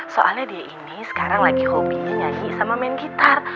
soalnya dia ini sekarang lagi hobinya nyanyi sama main gitar